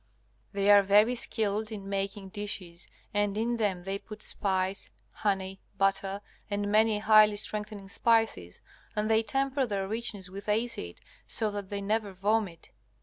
They are very skilled in making dishes, and in them they put spice, honey, butter, and many highly strengthening spices, and they temper their richness with acids, so that they never vomit.